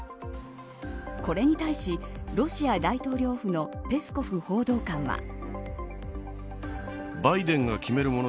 これに対し、ロシア大統領府のペスコフ報道官は。